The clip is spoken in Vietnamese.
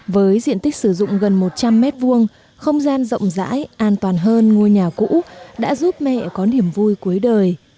với diện tích sử dụng gần một trăm linh m hai không gian rộng rãi an toàn hơn ngôi nhà cũ đã giúp mẹ có niềm vui cuối đời